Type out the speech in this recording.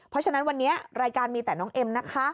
เพราะฉะนั้นวันนี้รายการมีแต่น้องเอ็มนะคะ